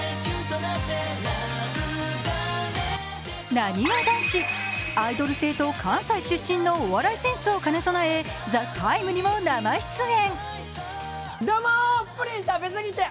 なにわ男子、アイドル性と関西出身のお笑いセンスを兼ね備え、「ＴＨＥＴＩＭＥ，」にも生出演。